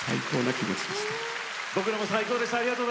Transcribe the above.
こちらも最高でした。